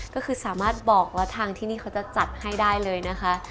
ก็คือสามารถบอกว่าทางที่นี่เขาจะจัดให้ได้เลยนะคะ